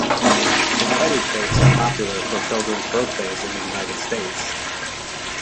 Confetti cakes are popular for children's birthdays in the United States.